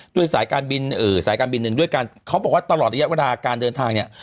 ด้วยสายการบินเอ่อสายการบินหนึ่งด้วยกันเขาบอกว่าตลอดระยะเวลาการเดินทางเนี่ย